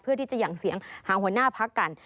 เพื่อที่จะหั่งเสียงหาหัวหน้าพักกัน